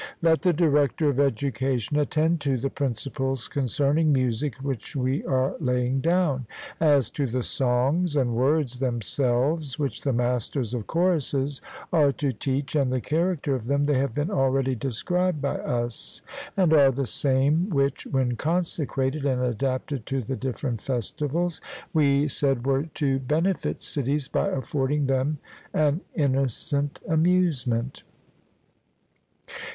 Let the director of education attend to the principles concerning music which we are laying down. As to the songs and words themselves which the masters of choruses are to teach and the character of them, they have been already described by us, and are the same which, when consecrated and adapted to the different festivals, we said were to benefit cities by affording them an innocent amusement.